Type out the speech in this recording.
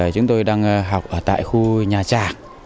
chúng tôi đang học tại khu nhà trạc